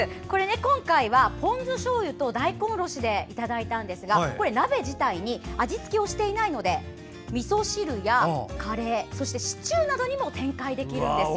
今回はポン酢しょうゆと大根おろしでいただいたんですが鍋自体に味つけをしていないのでみそ汁やカレー、シチューなどに展開することができるんですよ。